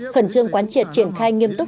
khẩn trương quán triệt triển khai nghiêm túc